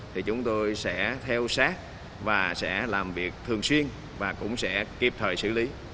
thì chúng tôi sẽ theo sát và sẽ làm việc thường xuyên và cũng sẽ kịp thời xử lý